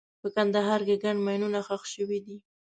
په کندهار کې ګڼ ماینونه ښخ شوي دي.